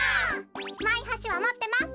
マイはしはもってます。